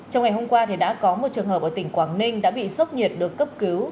trong ngày hôm qua đã có một trường hợp ở tỉnh quảng ninh đã bị sốc nhiệt được cấp cứu